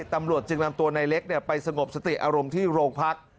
ตำรวจจึงนำตัวนายเล็กเนี่ยไปสงบสติอารมณ์ที่โรงพักษณ์